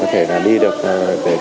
đang diễn ra phức tạp